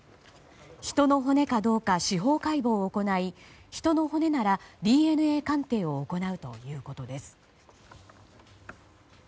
人の骨かどうか司法解剖を行い人の骨なら、ＤＮＡ鑑定を行うということです。